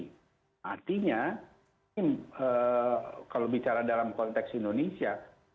jadi artinya kalau bicara dalam konteks indonesia